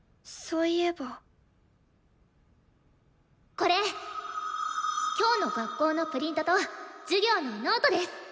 これ今日の学校のプリントと授業のノートです。